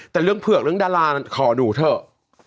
แต่เรื่องเผือกเรื่องดารานั้นขอดูเถอะ